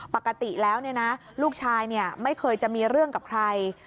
ปกติแล้วลูกชายไม่เคยจะมีเรื่องกับใคร